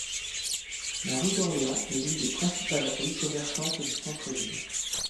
La rue d'Orléans est l'une des principales rues commerçantes du centre-ville.